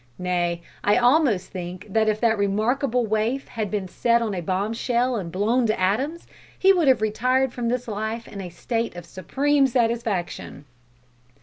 Nay, I almost think that if that remarkable waif had been set on a bombshell and blown to atoms, he would have retired from this life in a state of supreme satisfaction.